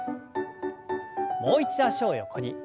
もう一度脚を横に。